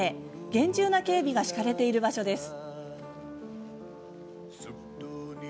厳重な警備が敷かれている場所です。